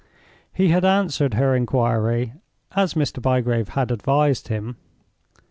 He had answered her inquiry as Mr. Bygrave had advised him.